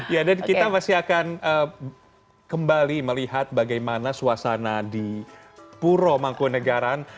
ya dan kita masih akan kembali melihat bagaimana suasana di puro mangkunagaran